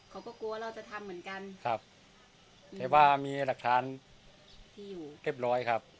เขาก็กลัวเราจะทำเหมือนกันครับแต่ว่ามีหลักฐานที่อยู่เรียบร้อยครับ